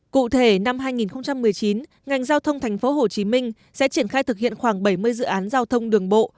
cụ thể năm hai nghìn một mươi chín ngành giao thông tp hcm sẽ triển khai thực hiện khoảng bảy mươi dự án giao thông đường bộ